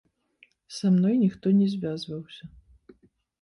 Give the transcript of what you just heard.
Са мной ніхто не звязваўся.